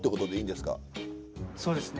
そうですね。